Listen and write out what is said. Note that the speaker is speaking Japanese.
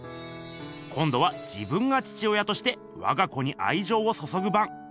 こんどは自分が父親としてわが子にあいじょうをそそぐ番！